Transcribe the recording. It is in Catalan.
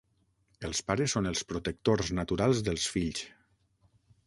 Els pares són els protectors naturals dels fills.